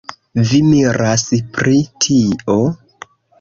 Vi miras pri tio?